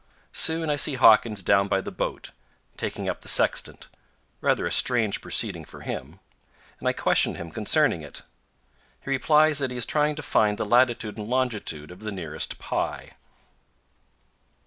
Soon I see Hawkins down by the boat, taking up the sextant rather a strange proceeding for him and I question him concerning it. He replies that he is trying to find the latitude and longitude of the nearest pie.